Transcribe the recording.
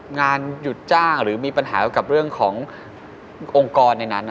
งานหยุดจ้างหรือมีปัญหากับเรื่องขององค์กรในนั้น